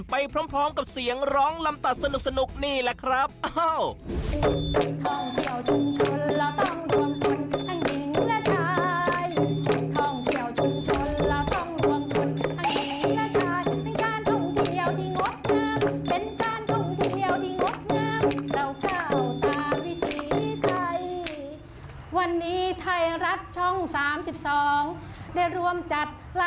ไปพร้อมกับเสียงร้องลำตัดสนุกนี่แหละครับ